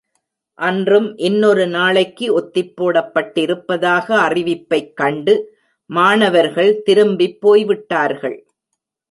அன்றும், இன்னொரு நாளைக்கு ஒத்திப் போடப்பட்டிருப்பதாக அறிவிப்பைக் கண்டு மாணவர்கள் திரும்பிப் போய்விட்டார்கள்.